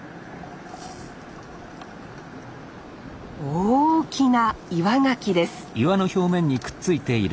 大きな岩ガキです